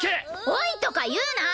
「おい」とか言うな！